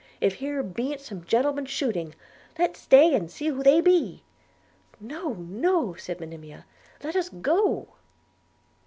if here ben't some gentlemen shooting – let's stay and see who they be!' 'No, no!' said Monimia, 'let us go.'